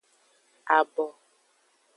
Abo.